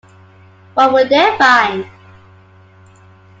What will they find?